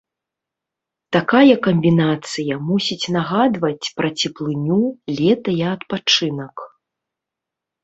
Такая камбінацыя мусіць нагадваць пра цеплыню, лета і адпачынак.